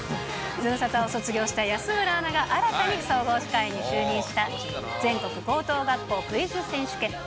ズムサタを卒業した安村アナが新たに総合司会に就任した、全国高等学校クイズ選手権。